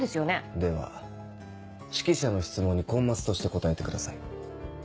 では指揮者の質問にコンマスとして答えてください。